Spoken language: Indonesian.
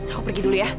aku pergi dulu ya